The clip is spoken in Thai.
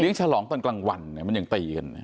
ฉลองตอนกลางวันมันยังตีกัน